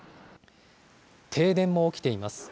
停電も起きています。